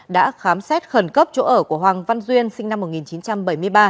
đã khám xét khẩn cấp chỗ ở của hoàng văn duyên sinh năm một nghìn chín trăm bảy mươi ba